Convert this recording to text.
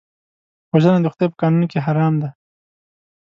وژنه د خدای په قانون کې حرام ده